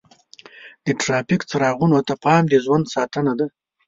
د ټرافیک څراغونو ته پام د ژوند ساتنه ده.